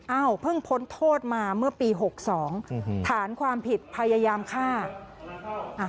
เพิ่งพ้นโทษมาเมื่อปี๖๒ฐานความผิดพยายามฆ่า